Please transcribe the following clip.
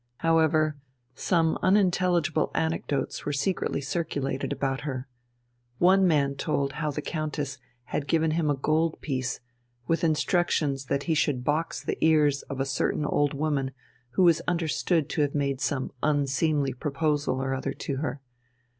However, some unintelligible anecdotes were secretly circulated about her. One man told how the Countess had given him a gold piece with instructions that he should box the ears of a certain old woman who was understood to have made some unseemly proposal or other to her.